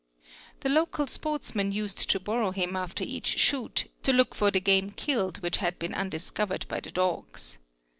The local sportsmen used to borrow him after each shoot, to look for the game killed which had been undiscovered by thi dogs.